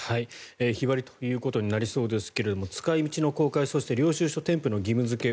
日割りということになりそうですが使い道の公開そして領収書添付の義務付け